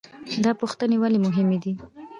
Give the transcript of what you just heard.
دا پوښتنې ولې مهمې دي؟